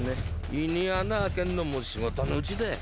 胃に穴開けんのも仕事のうちだよ